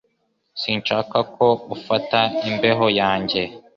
Sinshaka ko ufata imbeho yanjye